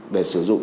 để sử dụng